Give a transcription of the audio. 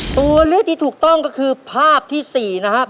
ตัวเลือกที่ถูกต้องก็คือภาพที่๔นะครับ